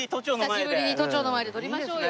久しぶりに都庁の前で撮りましょうよ。